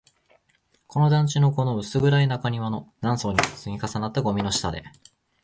この団地の、この薄暗い中庭の、何層にも積み重なったゴミの下で